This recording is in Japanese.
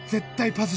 パス！